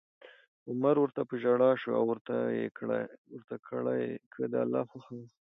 عمر ورته په ژړا شو او ورته کړه یې: که د الله خوښه وه